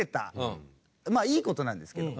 まあいい事なんですけど。